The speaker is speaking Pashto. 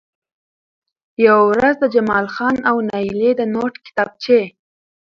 يوه ورځ د جمال خان او نايلې د نوټ کتابچې